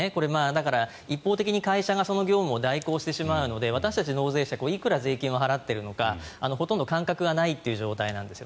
だから一方的に会社がその業務を代行してしまうので私たち納税者はいくら税金を払っているのかほとんど感覚がないという状態なんです。